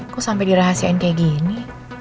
kok sampai dirahasiain kayak gini